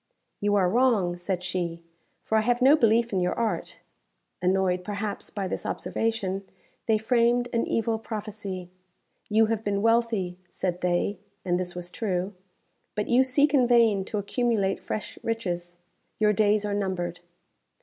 "You are wrong," said she, "for I have no belief in your art." Annoyed, perhaps, by this observation, they framed an evil prophecy. "You have been wealthy," said they (and this was true), "but you seek in vain to accumulate fresh riches. Your days are numbered."